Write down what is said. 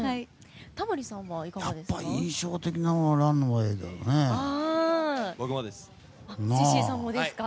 タモリさんはいかがですか？